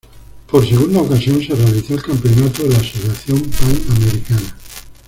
Por segunda ocasión se realizó el campeonato de la Asociación Panamericana.